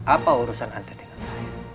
apa urusan anda dengan saya